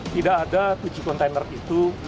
tidak ada tujuh kontainer itu